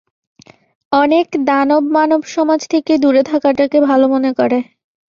অনেক দানব মানবসমাজ থেকে দুরে থাকাটাকে ভালো মনে করে।